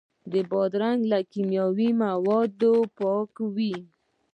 بادرنګ له کیمیاوي موادو پاک وي.